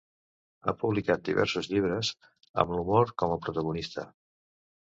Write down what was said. Ha publicat diversos llibres, amb l'humor com a protagonista.